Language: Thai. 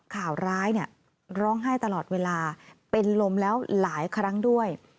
ข่าวร้ายเนี่ยร้องไห้ตลอดเวลาเป็นลมแล้วหลายครั้งด้วย